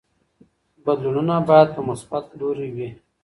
بدلونونه باید په مثبت لوري وي.